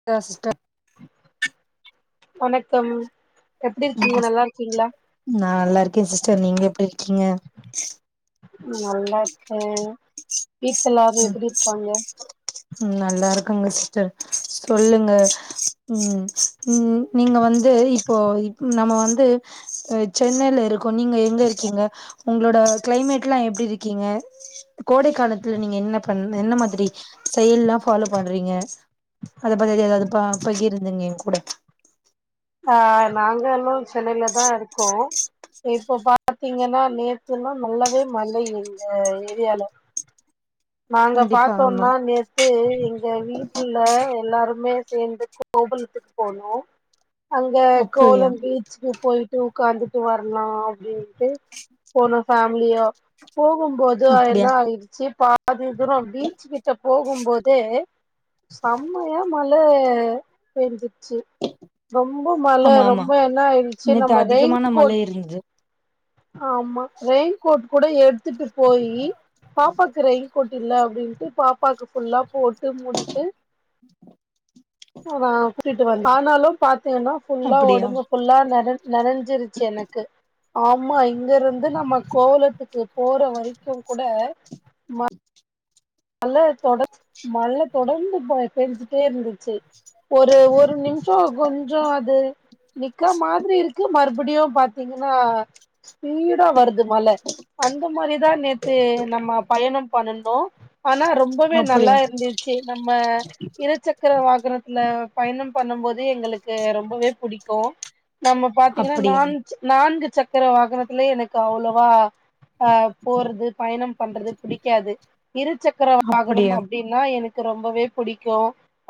இத்தா சிஸ்டர் வணக்கம் எப்டி உம் இருக்கீங்க நல்லா இருக்கீங்களா நா நல்லா இருக்கே சிஸ்டர் நீங்க எப்டி இருக்கீங்க நல்லா இருக்கே வீட்ல எல்லாரும் எப்பிடி இருக்காங்க உம் நல்லா இருக்காங்க சிஸ்டர் சொல்லுங்க உம் ம் நீங்க வந்து இப்போ இப் நம்ம வந்து அ சென்னையில இருக்கோ நீங்க எங்க இருக்கீங்க உங்களோட கிளைமேட் எல்லா எப்டி இருக்கீங்க கோடை காலத்துல நீங்க என்ன பண் என்ன மாரி செயல்லா ஃபாலோ பண்றீங்க அத பத்தி ஏதாவது ப பகிருந்துங்க ஏ கூட ஆ நாங்க எல்லோ சென்னையில தா இருக்கோ இப்போ பாத்தீங்கன்னா நேத்துன்னா நல்லாவே மழை இந்த ஏரியால [inaudible] நாங்க கண்டிப்பா ஆமா பாத்தோன்னா நேத் து எங்க வீட்டுல எல்லாருமே சேந்து கோபுலத்துக்கு போனோ அங்க அப்டியா கோவலம் பீச்சுக்கு போயி ட்டு உக்காந்துட்டு வரலா அப்படின்ட்டு போனோ ஃபேமிலியா போகும்போ து அப்டியா என்னா ஆயிடுச்சு பாதி தூரோ பீச்சு கிட்ட போகும்போதே செம்மையா மழ பேஞ்சிச்சு ரொம்ப மழ ஆமா ஆமா ரொம்ப என்னா ஆயிடுச்சு நம்ம ரெயின் கோட் இருந்து ஆமா ரெயின் கோட் கூட எடுத்துட்டு போயி பாப்பாவுக்கு ரெயின் கோட் இல்ல அப்படின்ட்டு பாப்பாக்கு ஃபுல்லா போட்டு மூடிட்டு [unintelligible] கூட்டிட்டு வந்த ஆனாலு பாத்தீங்கன்னா ஃபுல்லா அப்டியா ஒடம்பு ஃபுல்லா நெற நெறஞ்சிருச்சு எனக்கு ஆமா இங்க இருந்து நம்ம கோவலத்துக்கு போற வரைக்கு கூட நல்ல தொடர்ச்ச மழ தொடர்ந்து பெஞ்சிட்டே இருந்துச்சு ஒரு ஒரு நிமிஷோ கொஞ்சோ அது நிக்க மாதிரி இருக்கு மறுபடியு பாத்தீங்கன்னா ஸ்பீடா வருது மழ அந்த மாரிதா நேத்து நம்ம பயண பண்ணுணோ ஆனா ரொம்பவே நல்லா அப்டியா இருந்து ச்சு நம்ம இரு சக்கர வாகனத்துல பயணம் பண்ணும் போது எங்களுக் கு ரொம்பவே புடிக்கு நம்ம பாத்தீங்கன்னா அப்டியா நான் நான்கு சக்கர வாகனத்திலயே எனக்கு அவ்வளவா ஆ போறது பயணம் பண்றது புடிக்காது இருச்சக் சக்கற வாகனம் அப்படியா அப்படின்னா எனக்கு ரொம்பவே பிடிக்கு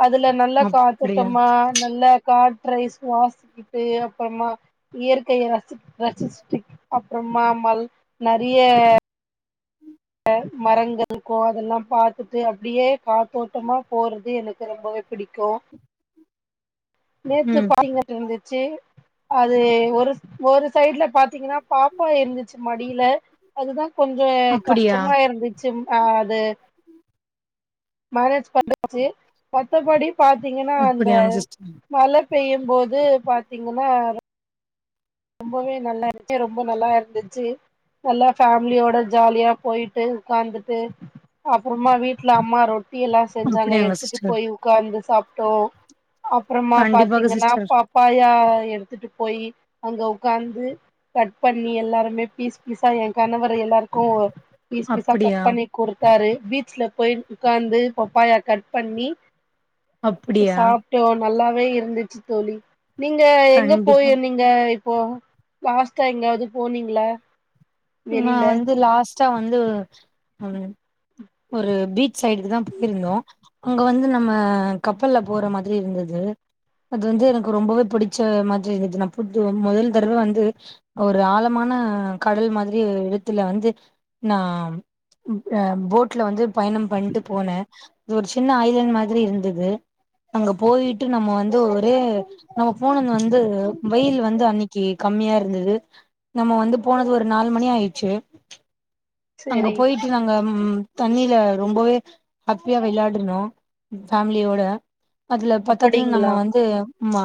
அதுல நல்லா அப்படியா காத்தோட்டமா நல்லா காற்றை சுவாசிக்கிட்டு அப்பறமா இயற்கைய ரசி ரசிச்சட்டு அப்பறமா மல் நெறைய மரங்கள் இருக்கு அதெல்லா பாத்துட்டு அப்படியே காத்தோட்டமா போறது எனக்கு ரொம்பவே பிடிக்கு நேத்து ம் பாத்திங்க ட்ருந்துச்சு அது ஒரு ஒரு சைட்ல பாத்தீங்கன்னா பாப்பா இருந்துச்சு மடியில அதுதா கொஞ்ச கஷ்ட அப்படியா மா இருந்துச்சும் ஆ அது மேனேஜ் பண்ணச்சு மத்தபடி பாத்தீங்கன்னா அந்த அப்படியாங்க சிஸ்டர் மழ பெய்யும் போது பாத்தீங்கன்னா ரொம்பவே நல்லா இருசு ரொம்ப நல்லா இருந்துச்சு நல்லா ஃபேமிலியோட ஜாலியா போயிட்டு உக்காந்துட்டு அப்பறமா வீட்டுல அம்மா ரொட்டி எல்லா செஞ்சாங்க அப்படியாங்க எடுத்துட்டு சிஸ்டர் போய் உக்காந்து சாப்ட்டோ அப்பறமா கண்டிப்பாக பாத்தீங்கன்னா சிஸ்டர் பாப்பாயா எடுத்துட்டு போயி அங்க உக்காந்து கட் பண்ணி எல்லாருமே பீஸ் பீஸா எ கணவர் எல்லாருக்கு பீஸ் பீஸா அப்படியா கட் பண்ணி குடுத்தாரு பீச்ல போய் உக்காந்து பப்பாயா கட் பண்ணி அப்படியா சாப்ட்டோ நல்லாவே இருந்துச்சு தோழி நீங்க எங்க கண்டிப்பா போய் நீங்க ப்போ லாஸ்டா எங்கியாவது போனீங்கள நா வந்து லாஸ்ட்டா வந்து ம் ஒரு பீச் சைடுக்கு தா போயிருந்தோ அங்க வந்து நம்ம கப்பல்ல போற மாதிரி இருந்தது அது வந்து எனக்கு ரொம்பவே புடிச்ச மாதிரி இருதுது நான் புது முதல் தடவ வந்து ஒரு ஆழமான கடல் மாதிரி வெத்துல வந்து நான் அ போட்ல வந்து பயணம் பண்ட்டு போனேன் ஒரு சின்ன ஐலாண்ட் மாதிரி இருந்தது அங்க போயிட்டு நம்ம வந்து ஒரே நம்ம போனது வந்து வெய்யில் வந்து அன்னிக் கி கம்மியா இருந்தது நம்ம வந்து போனது ஒரு நாலு மணி ஆயிட்ச்சு அங்க செரி போயிட்டு நாங்க தண்ணில ரொம்பவே ஹாப்பியா வெளையாடுனோம் ஃபேமிலியோட அதுல பாத்தது அப்படிங்களா நம்ம வந்து மா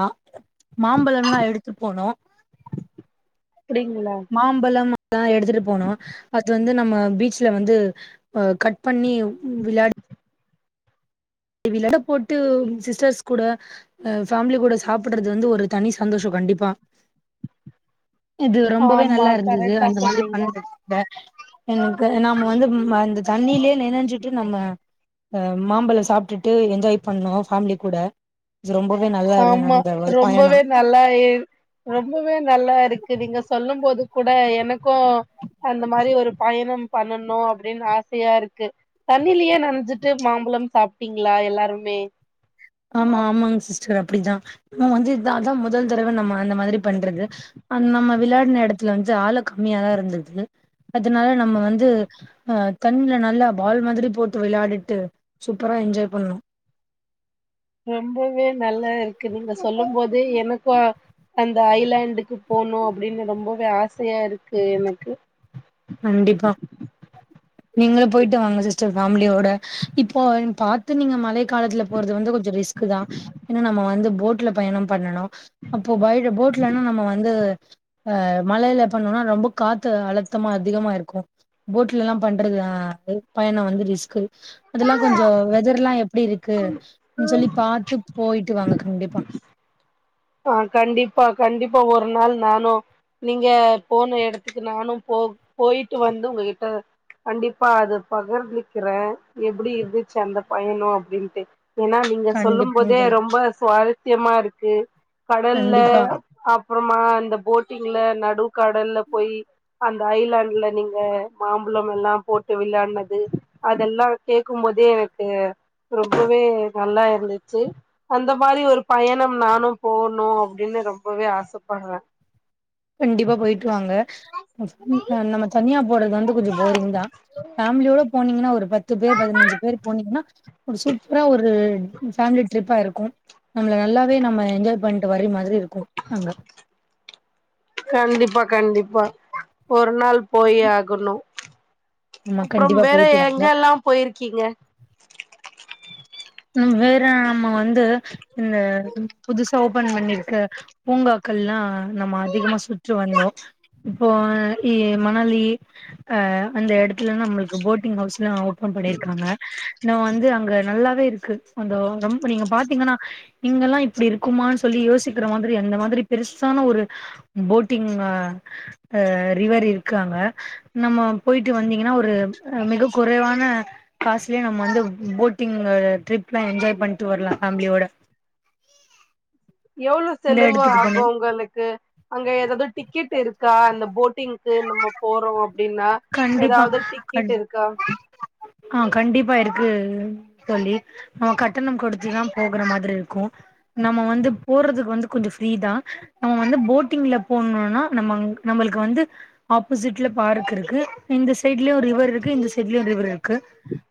மாம்பழம்ல்லாம் எடுத்து போனோம் அப்டிங்களா மாம்பழம்ல்லாம் எடுத்துட்டு போனும் பத்தா வந்து நம்ம பீச்ல வந்து ஆ கட் பண்ணி விளாட விளாட போட்டு சிஸ்டர்ஸ் கூட ஆ ஃபேமிலி கூட சாப்பிடுறது வந்து ஒரு தனி சந்தோஷம் கண்டிப்பா இது ரொம்பவே ஆமா நல்லா இருந்தது கரெக்டா அந்த மாதிரி சொன்னீங்க பண்ற த எனக்கு நாம வந்து அந்த தண்ணிலயே நினைஞ்சுட்டு நம்ம அ மாம்பழம் சாப்பிட்டுட்டு என்ஜாய் பண்ணோம் ஃபேமிலி கூட ரொம்பவே நல்லா இருந்தது ஆமா அந்த ஒரு பயணம் ரொம்பவே நல்லா இ ரொம்பவே நல்லா இருக்கு நீங்க சொல்லும் போது கூட எனக்கும் அந்த மாரி ஒரு பயணம் பண்ணணும் அப்படின்னு ஆசையா இருக்கு தண்ணிலயே நனைஞ்சிட்டு மாம்பழம் சாப்பிட்டீங்களா எல்லாருமே ஆமா ஆமாங்க சிஸ்டர் அப்படிதான் இன் வந்து அதான் முதல் தடவை நம்ம அந்த மாதிரி பண்றது அ நம்ம விளையாடின இடத்துல வந்து ஆழ கம்மியாதான் இருந்தது அதனால நம்ம வந்து ஆ தண்ணல நல்லா பால் மாதிரி போட்டு விளையாடிட்டு சூப்பரா என்ஜாய் பண்ணோம் ரொம்பவே நல்லா இருக்கு நீங்க சொல்லும் போதே எனக்கு அந்த ஐலாண்டுக்கு போனும் அப்படின்னு ரொம்பவே ஆசையா இருக்கு எனக்கு கண்டிப்பா நீங்களும் போயிட்டு வாங்க சிஸ்டர் ஃபேமிலியோட இப்போ பாத்து நீங்க மழை காலத்துல போறது வந்து கொஞ்சம் ரிஸ்க் க்குதான் ஏன்னா நம்ம வந்து போட்ல பயணம் பண்ணனும் அப்போ பயட போட்லனா நம்ம வந்து அ மழையில பண்ணோம்னா ரொம்ப காத்து அள த்தமா அதிகமா இருக்கும் போட்ல எல்லாம் பண்றது பயணம் வந்து ரிஸ்கு அதெல்லாம் கொஞ்சம் வெதர் எல்லாம் எப்படி இருக் கு சொல்லி பாத்து போயிட்டு வாங்க கண்டிப்பா ஆ கண்டிப்பா கண்டிப்பா ஒரு நாள் நானும் நீங்க போன எடத்துக்கு நானும் போ போயிட்டு வந்து உங்ககிட்ட கண்டிப்பா அது பகர்ந்துக்கிறேன் எப்டி இருந்துச்சு அந்த பயணம் அப்டின்ட்டு ஏன்னா நீ ங்க சொல்லும் கண்டிப்பாங்க போதே தோழி ரொம்ப சுவாரஸ்யமா இருக்கு கடல்ல கண்டிப்பா அப்புறமா இந்த போட்டிங்ல நடுக்கடல்ல போயி் அந்த ஐலாண்ட்ல நீங்க மாம்பழம் எல்லாம் போட்டு விளையாட்னது அதெல்லா கேக்கும்போதே எனக்கு ரொம்பவே நல்லா இருந்துச்சு அந்த மாரி ஒரு பயணம் நானு போணு அப்டின்னு ரொம்பவே ஆசப்படுறே கண்டிப்பா போயிட்டுவாங்க, நெக்ஸ்ட் நம்ம தனியா போறது வந்து கொஞ்சோ போரிங்தா ஃபேமிலியோட போனீங்கனா ஒரு பத்து பேர் பதினஞ்சு பேர் போனீங்கனா ஒரு சூப்பரா ஒரு ஃபேமிலி ட்ரிப்பா இருக்கு நம்மள நல்லாவே நம்ம என்ஜாய் பண்ட்டு வர மாதிரி இருக்கு அங்க கண்டிப்பா கண்டிப்பா, ஒரு நாள் போயே ஆகணு, ஆமா அப்றோ கண்டிப்பா வேற போயிட்டு வாங்க எங்க எல்லா போயிருக்கீங்க ம் வேற நம்ம வந்து இந்த புதுசா ஓபன் பண்ணிருக்க பூங்காக்கள்லா நம்ம அதிகமா சுற்று வந்தோ இப்போ இ மணலி அ அந்த எடத்துல நம்மளுக்கு போட்டிங் ஹவுஸ்லா ஓபன் பண்ணிருக்காங்க நம்ம வந்து அங்க நல்லாவே இரு க்கு அது ரொம்ப நீங்க பாத்தீங்கனா இங்கெல்லா இப்டி இருக்குமானு சொல்லி யோசிக்கிற மாதிரி அந்த மாதிரி பெருசான ஒரு போட்டிங் ஆ அ ரிவர் இருக்கு அங்க நம்ம போயிட்டு வந்தீங்னா ஒரு மிக குறைவான காசுலயே நம்ம வந்து போட்டிங்கு ட்ரிப்லா என்ஜாய் பண்ட்டு வரலா ஃபேமிலியோட எவ்ளோ இந்த செலவு எடத்துக்கு ஆகு போனு உங்களுக்கு அங்க எதாவது டிக்கெட் இருக்கா அந்த போட்டிங்க்கு நம்ம போறோ அப்டின்னா கண்டிப்பா ஏதாவது டிக்கெட் கண் இருக்கா ஆ கண்டிப்பா இருக்கு தோழி நம்ம கட்டணம் குடுத்துதா போகுற மாதிரி இருக்கு நம்ம வந்து போறதுக்கு வந்து கொஞ்சோ ஃப்ரீதா நம்ம வந்து போட்டிங்ல போணுனா நம்ம நம்மளுக்கு வந்து ஆப்போசிட்ல பார்க் இருக் கு இந்த சைடுலயு ஒரு ரிவர் இருக்கு இந்த சைடுலயு ஒரு ரிவர் இருக்கு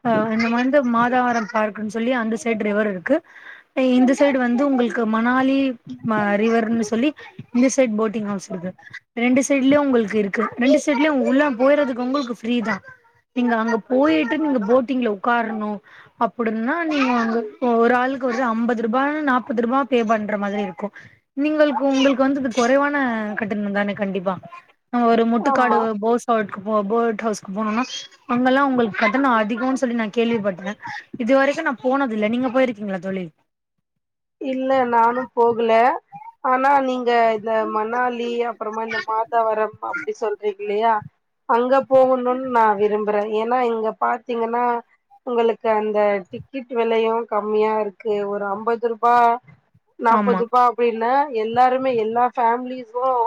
ஆ அங்க வந்து மாதாவரம் பார்க்குனு சொல்லி அந்த சைடு ரிவர் இருக்கு அ இந்த சைடு வந்து உங்களுக்கு மணாலி ரிவர்ன்னு சொல்லி இந்த சைடு போட்டிங் ஹவுஸ் இருக்கு ரெண்டு சைடுலயு உங்களுக்கு இருக்கு ரெண்டு சைடுலயு உள்ள போயிறதுக்கு உங்களுக்கு ஃப்ரீதா நீங்க அங்க போயிட்டு நீங்க போட்டிங்ல உக்காரணு அப்பறந்னா நீங்க அங்க ஒரு ஆளுக்கு வந்து அம்பது ரூபா நாப்பது ரூபா பே பண்ற மாதிரி இருக்கு நீங்கள் உங்களுக்கு உங்களுக்கு வந்து இது குறைவான கட்டணம்தானே கண்டிப்பா நம்ம ஒரு முட்டுக்காடு ஆமா போஸ்ஹவுட் போ போட்ஹவுஸ்க்கு போனோன்னா அங்கல்லா உங்களுக்கு கட்டணம் அதிகோனு சொல்லி நா கேள்விப்பட்ட இது வரைக்கு நா போனது இல்ல நீங்க போயிருக்கீங்ளா தோழி இல்ல நானு போகல ஆனா நீங்க இந்த மணாலி அப்புறமா இந்த மாதாவரம் அப்படி சொல்றீங்க இல்லையா அங்க போகணுனு நா விரும்புறே ஏன்னா இங்க பாத்தீங்கனா உங்களுக்கு அந்த டிக்கெட் வெலையு கம்மியா இருக்கு ஒரு அம்பது ரூ பா ஆமா நாப்பது ரூபா அப்டின்னா எல்லாருமே எல்லா ஃபேமிலிஸ்சும்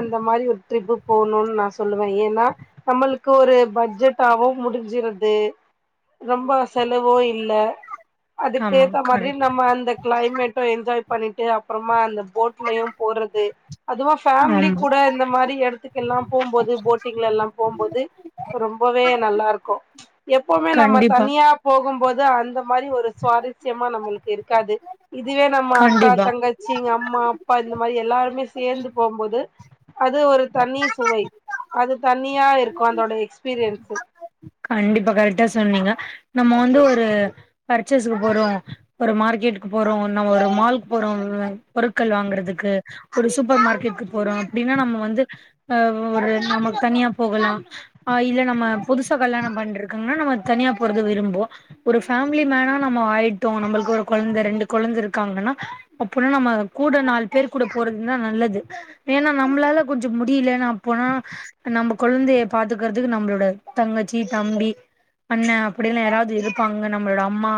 அந்த மாரி ஒரு ட்ரிப் போணுன்னு நா சொல்லுவே ஏன்னா நம்மளுக்கு ஒரு பட்ஜெட்டாவு முடிஞ்சிருது ரொம்ப செலவு இல்ல அதுக்கு ஆமா ஏத்த மாதிரி கரெக்ட் நம்ம அந்த கிளைமேட்டும் என்ஜாய் பண்ணிட்டு அப்பறமா அந்த போட்லயு போறது அதுவு ஃபேமிலி ஆமா கூட இந்த மாரி எடத்துக்கு எல்லா போம்போது போட்டிங்ல எல்லா போம்போது ரொம்பவே நல்லா இருக்கு, எப்பவுமே நம்ம கண்டிப்பா தனியா போகும்போது அந்த மாரி ஒரு சுவாரஸ்யமா நம்மளுக்கு இருக்காது இதுவே நம்ம அக்கா கண்டிப்பா தங்க ச்சி, எங்க அம்மா, அப்பா இந்த மாரி எல்லாருமே சேந்து போகும்போது அது ஒரு தனி சுவை அது தனியா இருக்கு அதோட எக்ஸ்பீரியன்ஸ் கண்டிப்பா, கரெக்டா சொன்னீங்க நம்ம வந்து ஒரு பர்சேஸ்க்கு போறோ ஒரு மார்க்கெட்க்கு போறோ, நம்ம ஒரு மால்கு போறோ ஒரு பொருட்கள் வாங்குறதுக்கு ஒரு சூப்பர் மார்க்கெட்க்கு போறோ அப்டின்னா நம்ம வந்து அ ஒரு நாம தனியா போகலா ஆ இல்ல நம்ம புதுசா கல்யாண பண்ட்டுருக்கங்கனா நம்ம தனியா போறது விரும்புவோ ஒரு ஃபேமிலி மேனா நம்ம ஆயிட்டோ நம்மளுக்கு ஒரு கொழந்த ரெண்டு கொழந்த இருக்காங்கனா அப்பனா நம்ம அது கூட நாலு பேர் கூட போறதுன்னா நல்லது ஏன்னா நம்பளால கொஞ்சோ முடியல நா போனா நம்ப கொழந்தைய பாத்துக்கறதுக்கு நம்பளோட தங்கச்சி, தம்பி, அண்ணே அப்டி எல்லா யாராவது இருப்பாங்க நம்பளோட அம்மா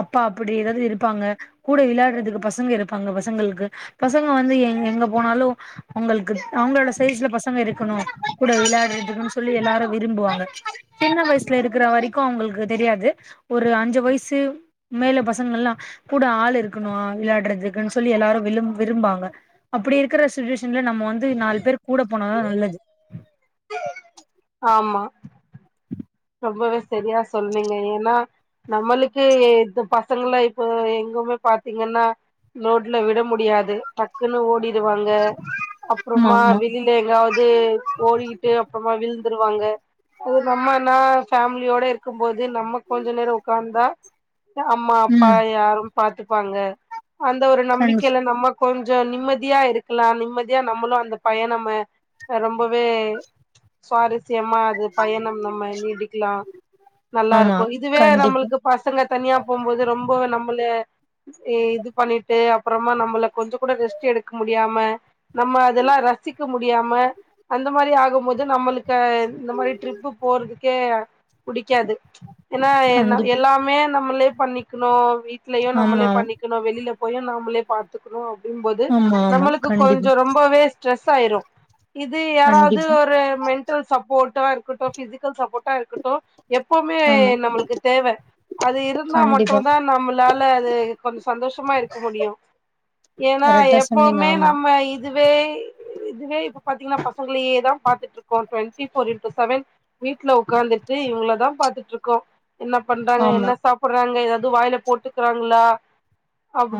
அப்பா அப்படி ஏதாவது இருப்பாங்க கூட விளாடறதுக்கு பசங்க இருப்பாங்க பசங்களுக்கு பசங்க வந்து எ எங்க போனாலு அவங்களுக்கு அவங்களோட சைஸ்ல பசங்க இருக்கணு கூட விளையாடுறதுக்கனு சொல்லி எல்லாரு விரும்புவாங் க சின்ன வயசுல இருக்கிற வரைக்கு அவங்களுக்கு தெரியாது ஒரு அஞ்சு வயசு உம்மேல பசங்கல்லா கூட ஆள் இருக்கணு விளாடுறதுக்குன்னு சொல்லி எல்லாரு விழும் விரும்பாங்க அப்படி இருக்கிற சுச்சுவேஷன்ல நம்ம வந்து நாலு பேர் கூட போனதா நல்லது ஆமா ரொம்பவே சரியா சொன்னீங்க ஏன்னா நம்மளுக்கு இப்ப பசங்களா இப்ப எங்கமே பாத்தீங்கன்னா ரோட்ல விட முடியாது டக்குன்னு ஓடிடுவாங்க அப்பறமா ஆமா ஆமா வெளிய எங்காவது ஓடிக்கிட்டு அப்பறமா விழுந்துருவாங்க அது நம்ம நா ஃபேமிலியோட இருக்கும்போது நம்ம கொஞ்ச நேர உக்காந்தா அம்மா அப்பா ம் யாரு பாத்துப்பாங்க அந்த ஒரு கண் நம்பிக்கையில நம்ம கொஞ்ச நிம்மதியா இருக்கலா நிம்மதியா நம்மளு அந்த பயணம ரொம்பவே சுவாரஸ்யமா அது பயணம் நம்ம நீடிக்கலா ஆமா நல்லாருக்கு இதுவே கண்டிப்பா நம்மளுக்கு பசங்க தனியா போம்போது ரொம்ப நம்மள ஏ இது பண்ணிட்டு அப்பறமா நம்மளை கொஞ்ச கூட ரெஸ்ட் எடுக்க முடியாம நம்ம அதெல்லா ரசிக்க முடியாம அந்த மாரி ஆகும் போது நம்மளுக் க இந்த மாரி ட்ரிப்பு போறதுக்கே புடிக்காது ஏன்னா கண்டிப் எல்லாமே நம்மளே பண்ணிக்கணு வீட்லயு ஆமா நம்மளே ஆமா பண்ணி க்கணு வெளியில போயு நாமளே பாத்துக்கணு அப்டிம் போது ஆமா ஆமா நம்மளுக்கு கண்டிப்பா கொஞ்ச ரொம்ப வே ஸ்ட்ரெஸ் ஆயிரு இது யாராவது கண்டிப்பா ஒரு மென்டல் சப்போர்டா இருக்கட்டு பிசிக் கல் சப்போர்டா இருக்கட்டு எப்பவுமே ஆமா நம்மளுக்கு தேவை அது இருந்தா கண்டிப்பா மட்டுதா நம்மளு ளால அது கொஞ்ச சந்தோஷமா இருக்க முடியு ஏன்னா கரெக்டா சொன்னீங்க எப்பவுமே ஆமா நம்ம இ துவே இதுவே இப்ப பாத்தீங்கன்னா பசங்களையே தா பாத்துட்ருக்கோ டுவெண்டிபோர் இன்டூ செவன் வீட்ல உக்காந்துட்டு இவங்களதான பாத்துட்ருக்கோ என்ன பண்றாங்க ஆமா என்ன சா புறாங்க ஏதாவது வாயில போட்டுக்கிறாங்களா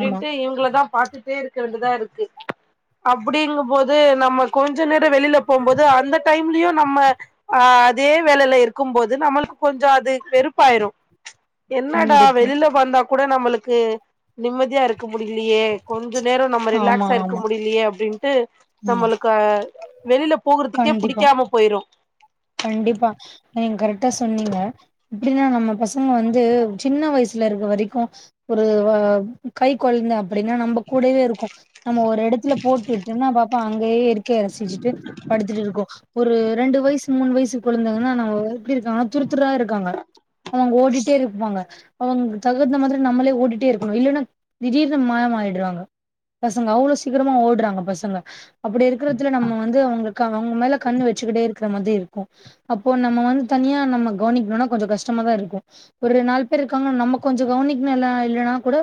ஆமா இவங்கள தா பாத்துட்டே இருக்க வேண்டிதா இருக்கு அப்படிங்கும்போது நம்ம கொஞ்ச நேர வெளியில போம்போது அந்த டைம்லயு நம்ம ஆ இதே வேலையில இருக்கும்போது நம்மளுக்கு கொஞ்ச அது வெறுப்பாயிரு என்னடா கண்டிப்பா வெளியில வந்தா கூட நம்மளுக்கு நிம்மதியா இருக்க முடியலையே கொஞ்ச நேர நம்ம ஆமா ரிலாக்ஸா இருக்க ஆமா முடியலையே அப்டின்ட்டு ஆமா நம்மளுக்கு வெளியில போகறதுக்கே கண்டிப்பா புடிக்காம போயிரு கண்டிப்பா நீங்க கரெக்டா சொன்னீங்க எப்டின்னா நம்ம பசங்க வந்து சின்ன வயசுல இருக்க வரைக்கு ஒரு வ கை கொழுந்த அப்படின்னா நம்ம கூடவே இருக்கு நம்ம ஒரு எடத்துல போட்டு விட்டு நா பாப்ப அங்கயே இரு க்க ரசிச்சுட்டு படுத்துட்டு இருக்கூ ஒரு ரெண்டு வயசு மூணு வயசு கொழந்தைங்கன்னா நம்ம எப்டி இருக்காங்க துருத்துரா இருக்காங்க அவங்க ஓடிட்டே இருப்பாங்க அவங்க தகுந்த மாதிரி நம்மளே ஓடிட்டே இருக்கணு இல்லைன்னா திடீர்னு மாய ஆயிட்றாங்க பசங்க அவ்வளவு சீக்கிரமா ஓடுறாங்க பசங்க அப்படி இருக்கறதுல நம்ம வந்து அவங்களுக்கு அவங்க மேல கண்ணு வச்சக்கிட்டே இருக்கிற மாதிரி இருக் கு அப்போ நம்ம வந்து தனியா நம்ம கவனிக்கணும்னா கொஞ்ச கஷ்டமா தா இருக்கு ஒரு நாலு பேர் இருக்காங்கன்ன நம்ம கொஞ்ச கவனிக்கணும்ல இல்லன்னா கூட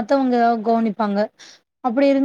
மத்தவங்க கவ்னிப்பாங்க அப்டி இருந்தூ